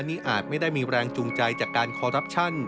นี่อาจไม่ได้มีแรงจูงใจจากการคอรัปชั่น